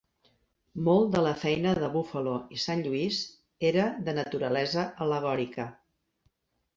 Molt de la feina de Buffalo i Sant Lluís era de naturalesa al·legòrica.